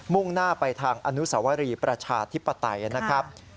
่งหน้าไปทางอนุสวรีประชาธิปไตยนะครับ